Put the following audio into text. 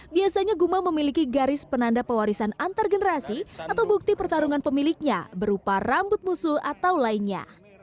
biasanya guma memiliki garis penanda pewarisan antar generasi atau bukti pertarungan pemiliknya berupa rambut musuh atau lainnya